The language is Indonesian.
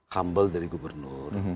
humble dari gubernur